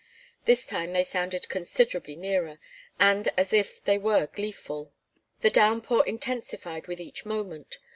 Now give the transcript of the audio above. This time they sounded considerably nearer and as if they were gleeful. The downpour intensified with each moment.